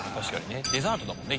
デザートだもんね